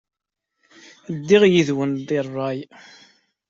Ddiɣ yid-went deg ṛṛay.